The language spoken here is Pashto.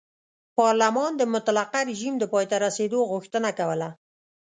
پارلمان د مطلقه رژیم د پای ته رسېدو غوښتنه کوله.